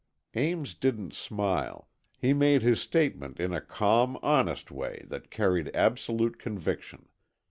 Ames didn't smile, he made his statement in a calm, honest way that carried absolute conviction.